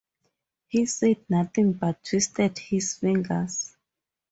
He said nothing, but twisted his fingers.